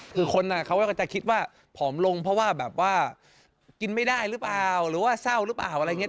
คือคนเขาก็จะคิดว่าผอมลงเพราะว่าแบบว่ากินไม่ได้หรือเปล่าหรือว่าเศร้าหรือเปล่าอะไรอย่างนี้